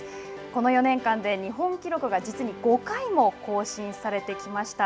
この４年間で日本記録が実に５回も更新されてきました。